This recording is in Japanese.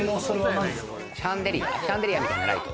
シャンデリアみたいなライト。